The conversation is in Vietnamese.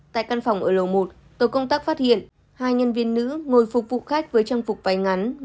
tại căn phòng ở lầu một tổ công tác phát hiện hai nhân viên nữ ngồi phục vụ khách